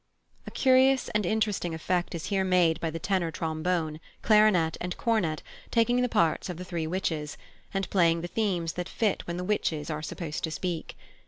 A curious and interesting effect is here made by the tenor trombone, clarinet, and cornet taking the parts of the three witches, and playing the themes that fit what the Witches are supposed to speak.